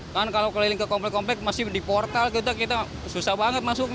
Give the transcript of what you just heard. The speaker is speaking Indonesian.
kan kalau keliling ke komplek komplek masih di portal kita susah banget masuk